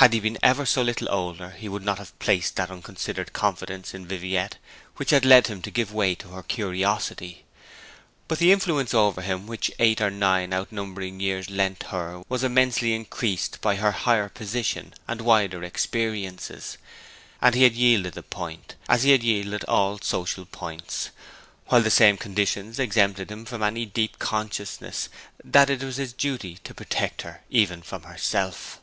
Had he been ever so little older he would not have placed that unconsidered confidence in Viviette which had led him to give way to her curiosity. But the influence over him which eight or nine outnumbering years lent her was immensely increased by her higher position and wider experiences, and he had yielded the point, as he yielded all social points; while the same conditions exempted him from any deep consciousness that it was his duty to protect her even from herself.